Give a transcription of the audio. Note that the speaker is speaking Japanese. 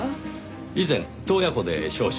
以前洞爺湖で少々。